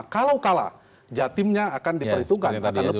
kalau kalah jatimnya akan diperhitungkan